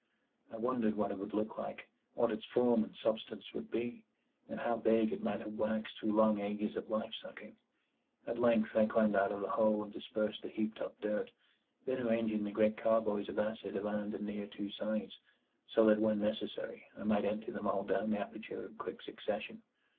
I wondered what it would look like what its form and substance would be, and how big it might have waxed through long ages of life sucking. At length I climbed out of the hole and dispersed the heaped up dirt, then arranging the great carboys of acid around and near two sides, so that when necessary I might empty them all down the aperture in quick succession.